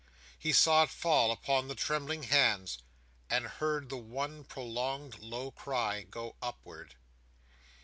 He saw it fall upon the trembling hands, and heard the one prolonged low cry go upward.